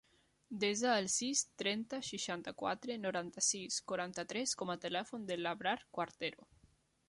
Desa el sis, trenta, seixanta-quatre, noranta-sis, quaranta-tres com a telèfon de l'Abrar Cuartero.